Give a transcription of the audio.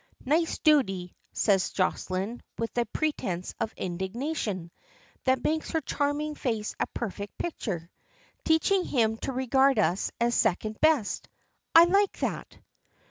"Nice duty," says Jocelyne, with a pretence of indignation, that makes her charming face a perfect picture. "Teaching him to regard us as second best! I like that."